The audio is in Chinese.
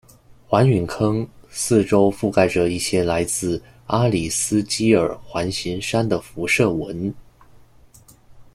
环陨坑四周覆盖着一些来自阿里斯基尔环形山的辐射纹。